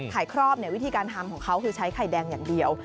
ครอบวิธีการทำของเขาคือใช้ไข่แดงอย่างเดียว